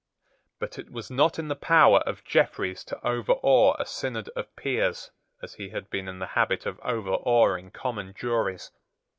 But it was not in the power of Jeffreys to overawe a synod of peers as he had been in the habit of overawing common juries.